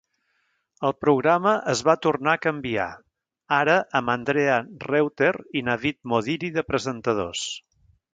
El programa es va tornar a canviar, ara amb Andrea Reuter i Navid Modiri de presentadors.